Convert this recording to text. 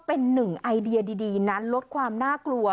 เป็นหนึ่งไอเดียดีนั้นลดความน่ากลัว